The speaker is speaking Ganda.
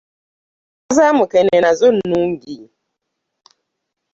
Enva za mukene nazo nungi.